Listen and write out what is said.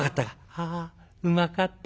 「はあうまかった」。